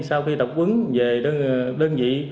sau khi tập vấn về đơn vị